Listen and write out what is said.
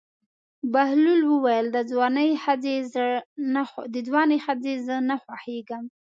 بهلول وویل: د ځوانې ښځې زه نه خوښېږم.